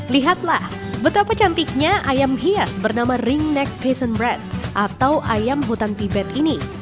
lihatlah betapa cantiknya ayam hias bernama ringneck peasant bread atau ayam hutan tibet ini